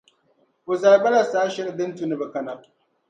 O zali ba la saha shεli din tu ni bɛ kana.